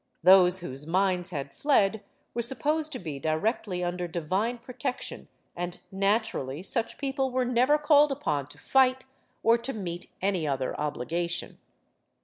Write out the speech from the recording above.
Those whose minds had fled were supposed to be directly under divine protection, and naturally such people were never called upon to fight or to meet any other obligation.